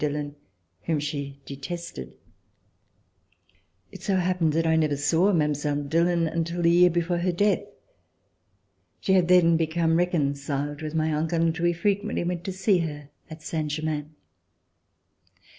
Dillon, whom she detested. It so happened that I never saw Mile. Dillon until the year before her death. She had then become reconciled with my uncle, and we frequently went to see her at Saint Germain.